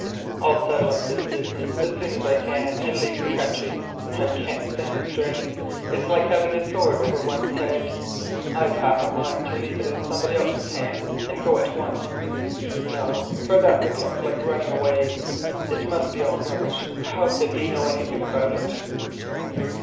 I'll settle up this business as soon as I can and leave the country; I can't stand the strain, it's like having a sword over one's head. I've half a mind to leave it in somebody else's hands and go at once. No, for that would look like running away. It must be all rubbish; how could he know anything about it?"